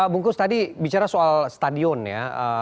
bung kus tadi bicara soal stadion ya